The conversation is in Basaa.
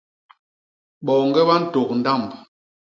Boñge ba ntôk ndamb.